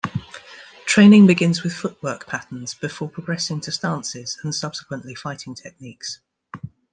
Training begins with footwork patterns before progressing to stances and subsequently fighting techniques.